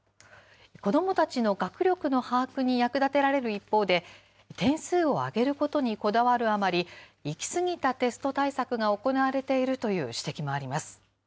子どもたちの学力の把握に役立てられる一方で、点数を上げることにこだわるあまり、行き過ぎたテスト対策が行われているという指摘もあります。